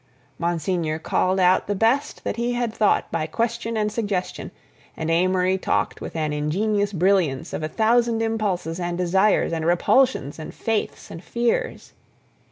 Monsignor called out the best that he had thought by question and suggestion, and Amory talked with an ingenious brilliance of a thousand impulses and desires and repulsions and faiths and fears.